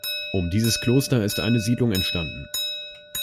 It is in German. Um dieses Kloster ist eine Siedlung entstanden.